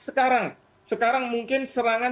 sekarang sekarang mungkin serangan